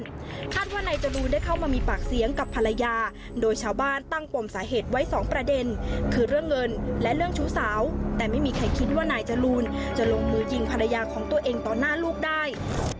คาดว่านายจรูนได้เข้ามามีปากเสียงกับภรรยาโดยชาวบ้านตั้งปมสาเหตุไว้สองประเด็นคือเรื่องเงินและเรื่องชู้สาวแต่ไม่มีใครคิดว่านายจรูนจะลงมือยิงภรรยาของตัวเองต่อหน้าลูกได้